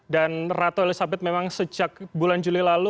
dan ratu elisabeth memang sejak bulan juli lalu